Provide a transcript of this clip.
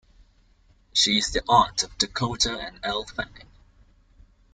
She is the aunt of Dakota and Elle Fanning.